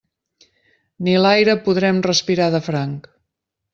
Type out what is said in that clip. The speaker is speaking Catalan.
Ni l'aire podrem respirar de franc.